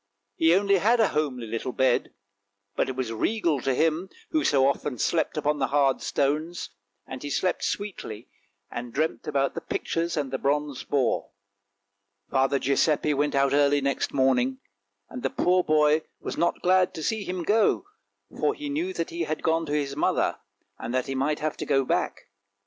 He only had a homely little bed, but it was regal to him, who so often slept upon the hard stones, and he slept sweetly and dreamt about the pictures and the bronze boar. Father Giuseppe went out early next morning, and the poor boy was not glad to see him go, for he knew that he had gone to his mother, and that he might have to go back.